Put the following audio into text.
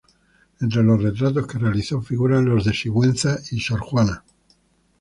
Entre los retratos que realizó figuran los de Sigüenza y a Sor Juana.